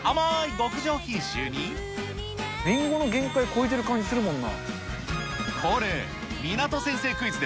りんごの限界超えてる感じするもんな。